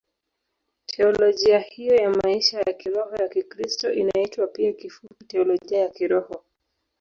Teolojia hiyo ya maisha ya kiroho ya Kikristo inaitwa pia kifupi Teolojia ya Kiroho.